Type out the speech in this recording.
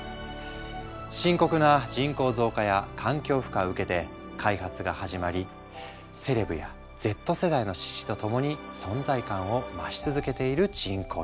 深刻な人口増加や環境負荷を受けて開発が始まりセレブやＺ世代の支持と共に存在感を増し続けている人工肉。